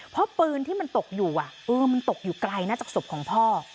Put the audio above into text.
เพราะปืนที่มันตกอยู่มันตกอยู่ไกลนะจากศพของพ่อ